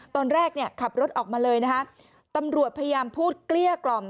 ตอนแรกเนี่ยขับรถออกมาเลยนะฮะตำรวจพยายามพูดเกลี้ยกล่อม